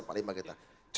seperti yang kita lihat tadi